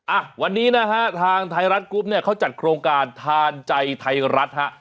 อ่ะวันนี้นะฮะทางไทยรัฐกรุ๊ปเนี่ยเขาจัดโครงการทานใจไทยรัฐฮะ